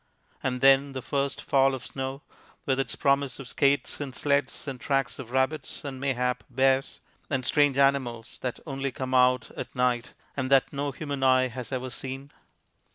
And then the first fall of snow, with its promise of skates and sleds and tracks of rabbits, and mayhap bears, and strange animals that only come out at night, and that no human eye has ever seen!